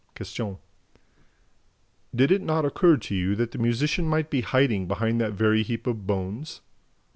Q. "Did it not occur to you that the musician might be hiding behind that very heap of bones?"